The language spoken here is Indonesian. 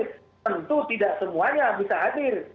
tentu tidak semuanya bisa hadir